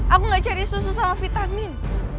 aku gak cari susu sama vitamin